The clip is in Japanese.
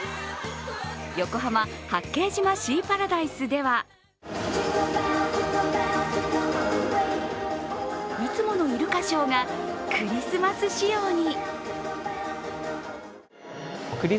横浜・八景島シーパラダイスではいつものイルカショーがクリスマス仕様に。